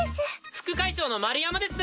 副会長の丸山です！